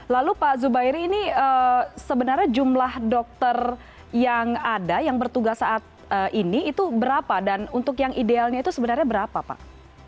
lalu pak zubairi ini sebenarnya jumlah dokter yang ada yang bertugas saat ini itu berapa dan untuk yang idealnya itu sebenarnya berapa pak